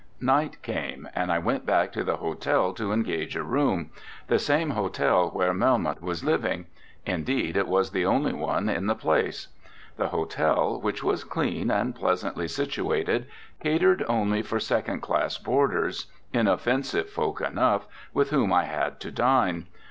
Night came, and I went back to the hotel to engage a room, the same hotel where Melmoth was living indeed it was the only one in the place. The hotel, which was clean and pleasantly situated, catered only for second class boarders, inoffensive folk enough, with whom I had to dine.